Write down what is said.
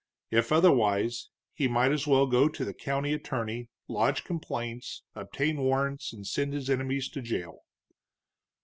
If otherwise, he might as well go to the county attorney, lodge complaints, obtain warrants and send his enemies to jail.